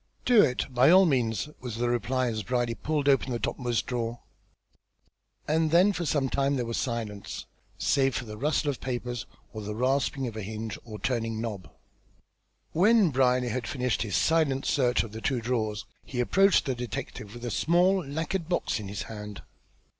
"Do it, by all means," was the reply as Brierly pulled open the topmost drawer; and then for some time there was silence, save for the rustle of paper or the rasping of a hinge or turning knob. When Brierly had finished his silent search of the two drawers, he approached the detective with a small lacquered box in his hand.